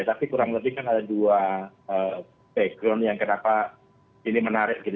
tapi kurang lebih kan ada dua background yang kenapa ini menarik